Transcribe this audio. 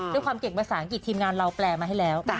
ด้วยความเก่งภาษาอังกฤษทีมงานเราแปลมาให้แล้ว